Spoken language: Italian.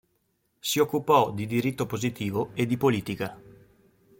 Si occupò di diritto positivo e di politica.